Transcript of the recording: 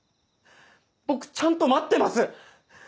僕ちゃんと待ってます。